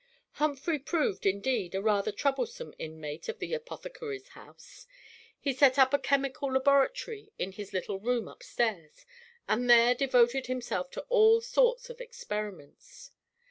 Humphry proved, indeed, a rather troublesome inmate of the apothecary's house. He set up a chemical laboratory in his little room upstairs, and there devoted himself to all sorts of experiments.